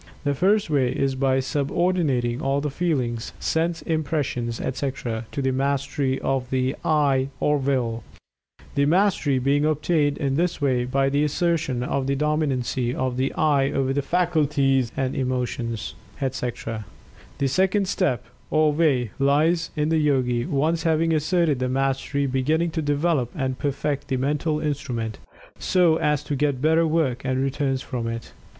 The first way is by subordinating all the feelings, sense impressions, etc., to the Mastery of the "I," or Will, the Mastery being obtained in this way by the assertion of the dominancy of the "I" over the faculties and emotions, etc. The second step, or way, lies in the Yogi, once having asserted the mastery, beginning to develop and perfect the Mental instrument, so as to get better work and returns from it.